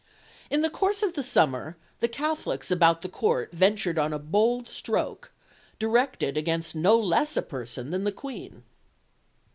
In the course of the summer the Catholics about the Court ventured on a bold stroke, directed against no less a person than the Queen.